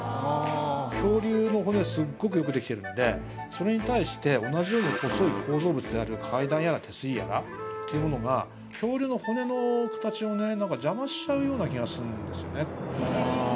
それに対して同じように細い構造物である階段やら手すりやらっていうものが恐竜の骨の形をねなんか邪魔しちゃうような気がするんですよね。